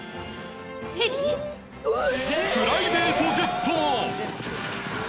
プライベートジェット。